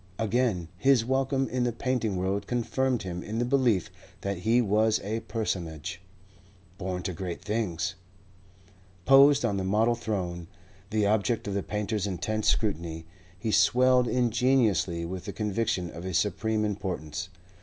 Again, his welcome in the painting world confirmed him in the belief that he was a personage, born to great things. Posed on the model throne, the object of the painter's intense scrutiny, he swelled ingenuously with the conviction of his supreme importance.